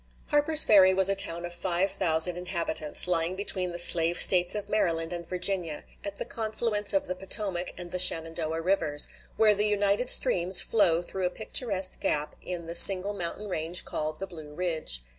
Harper's Ferry was a town of five thousand inhabitants, lying between the slave States of Maryland and Virginia, at the confluence of the Potomac and the Shenandoah rivers, where the united streams flow through a picturesque gap in the single mountain range called the Blue Ridge.